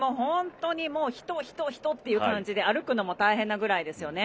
人、人、人という感じで歩くのも大変なぐらいですね。